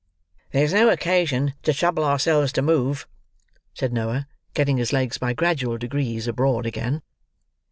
"There's no occasion to trouble ourselves to move," said Noah, getting his legs by gradual degrees abroad again.